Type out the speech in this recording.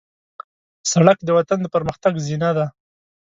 سړک د وطن د پرمختګ زینه ده.